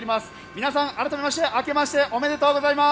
皆さん、改めまして明けましておめでとうございます。